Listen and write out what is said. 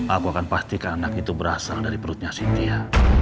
aku akan pastikan anak itu berasal dari perutnya sintia